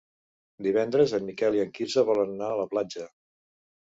Divendres en Miquel i en Quirze volen anar a la platja.